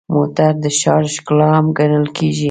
موټر د ښار ښکلا هم ګڼل کېږي.